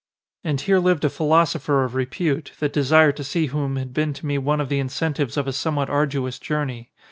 And here lived a philosopher of repute trs desire to see whom had been to me one of the incentives of a somewhat arduous journey.